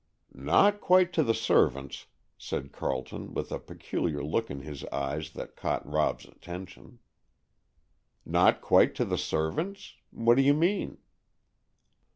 "Not quite to the servants," said Carleton, with a peculiar look in his eyes that caught Rob's attention. "Not quite to the servants? What do you mean?"